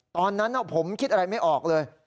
ตอนนั้นผมคิดอะไรไม่ออกเลย